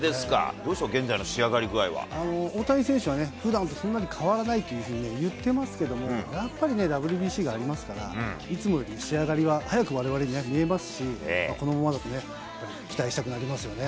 どうでしょう、大谷選手はふだんとそんなに変わらないというふうに言ってますけども、やっぱりね、ＷＢＣがありますから、いつもより仕上がりは、早くわれわれには見えますし、このままだと期待したくなりますよね。